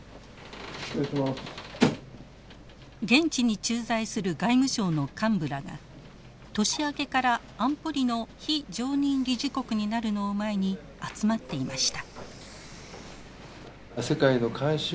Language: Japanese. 現地に駐在する外務省の幹部らが年明けから安保理の非常任理事国になるのを前に集まっていました。